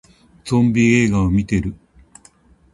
ゾンビ映画見てる